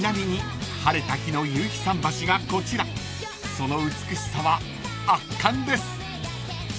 ［その美しさは圧巻です］